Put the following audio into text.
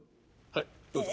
はいどうぞ。